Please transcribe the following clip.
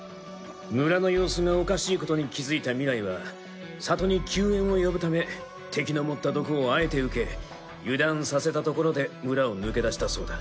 村の様子がおかしいことに気づいたミライは里に救援を呼ぶため敵の盛った毒をあえて受け油断させたところで村を抜け出したそうだ。